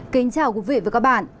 kính chào quý vị và các bạn